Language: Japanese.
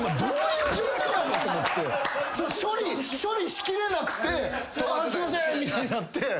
処理しきれなくて「すいません！」みたいになって。